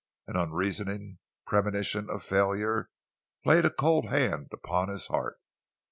An unreasoning premonition of failure laid a cold hand upon his heart.